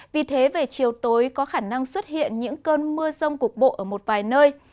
vì thế về chiều tối có khả năng xuất hiện những cơn mưa rông cục bộ ở một vài nơi